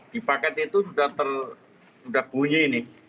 di paket itu sudah bunyi nih